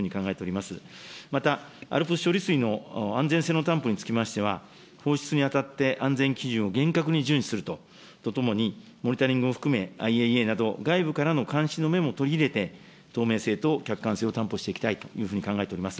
また、ＡＬＰＳ処理水の安全性の担保につきましては、放出にあたって、安全基準を厳格に順守するとともに、モニタリングも含め、ＩＡＡなど外部からの監視の目も取り入れて、透明性と客観性を担保していきたいというふうに考えております。